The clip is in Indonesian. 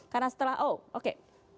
karena setelah oh oke